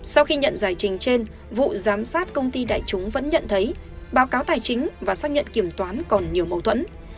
sau khi nhận giải trình trên vụ giám sát công ty đại chúng vẫn nhận thấy báo cáo tài chính và xác nhận kiểm toán còn nhiều mâu thuẫn